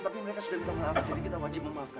tapi mereka sudah kita maafkan jadi kita wajib memaafkan